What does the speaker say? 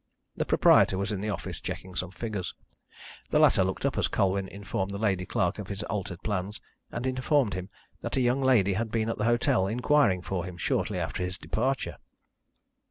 The proprietor was in the office, checking some figures. The latter looked up as Colwyn informed the lady clerk of his altered plans, and informed him that a young lady had been at the hotel inquiring for him shortly after his departure.